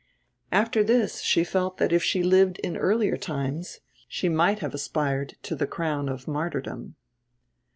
After this she felt that if she had lived in earlier times she might have aspired to the crown of martyrdom.